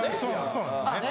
そうなんですよね。